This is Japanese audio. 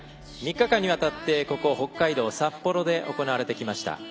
３日間にわたってここ、北海道札幌で行われてきました。